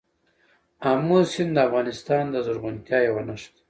آمو سیند د افغانستان د زرغونتیا یوه نښه ده.